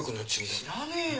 知らねえよ。